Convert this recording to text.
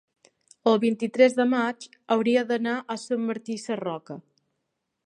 el vint-i-tres de maig hauria d'anar a Sant Martí Sarroca.